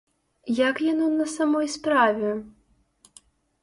Як яно на самой справе?